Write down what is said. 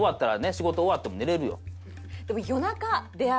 仕事終わっても寝れるよ。